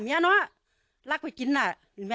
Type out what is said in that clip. ภรรยาก็บอกว่านายเทวีอ้างว่าไม่จริงนายทองม่วนขโมย